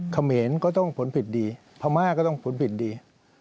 เขมีเหมือนก็ต้องผลผิดดีภามากก็ต้องผลผิดดี